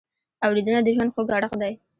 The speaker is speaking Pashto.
اورېدنه د ژوند خوږ اړخ دی.